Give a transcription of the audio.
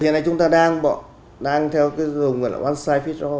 hiện nay chúng ta đang theo cái dường gọi là one size fits all